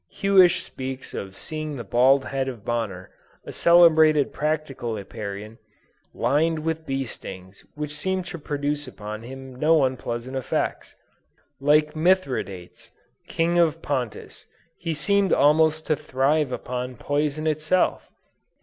Huish speaks of seeing the bald head of Bonner, a celebrated practical Apiarian, lined with bee stings which seemed to produce upon him no unpleasant effects. Like Mithridates, king of Pontus, he seemed almost to thrive upon poison itself!